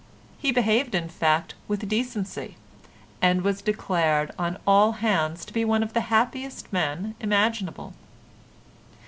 He behaved, in fact, with decency, and was declared on all hands to be one of the happiest men imaginable.